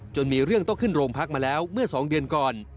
มีเรื่องต้องขึ้นโรงพักมาแล้วเมื่อ๒เดือนก่อน